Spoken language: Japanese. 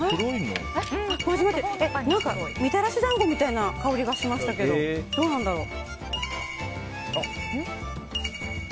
何かみたらし団子みたいな香りがしましたけどどうなんだろう。